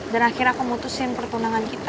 dan akhirnya aku mutusin pertunangan kita